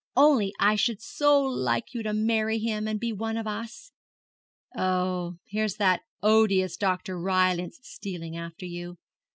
Only I should so like you to marry him, and be one of us. Oh, here's that odious Dr. Rylance stealing after you.